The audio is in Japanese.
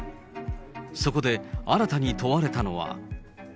そこで新たに問われたのは。